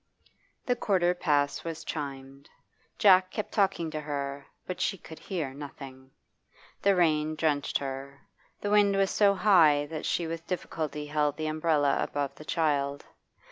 The quarter past was chimed. Jack kept talking to her, but she could hear nothing. The rain drenched her; the wind was so high that she with difficulty held the umbrella above the child.